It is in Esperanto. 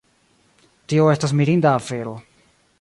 Tio estas mirinda afero